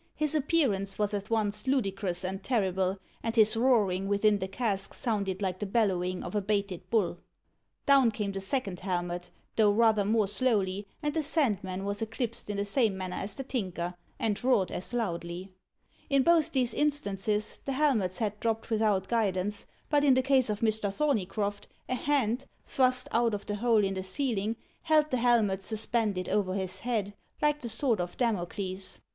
His appearance was at once ludicrous and terrible, and his roaring within the casque sounded like the bellowing of a baited bull. Down came the second helmet, though rather more slowly, and the Sandman was eclipsed in the same manner as the Tinker, and roared as loudly. [Illustration: The Enchanted Chairs.] In both these instances the helmets had dropped without guidance, but in the case of Mr. Thorneycroft, a hand, thrust out of the hole in the ceiling, held the helmet suspended over his head, like the sword of Damocles.